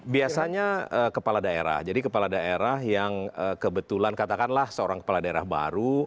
biasanya kepala daerah jadi kepala daerah yang kebetulan katakanlah seorang kepala daerah baru